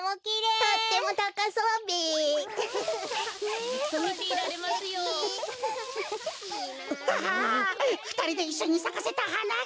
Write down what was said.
ああっふたりでいっしょにさかせたはなが！